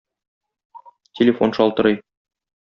Телефон шалтырый.